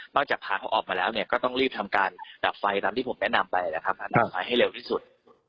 จากพาเขาออกมาแล้วก็ต้องรีบทำการดับไฟตามที่ผมแนะนำไปนะครับมาดับไฟให้เร็วที่สุด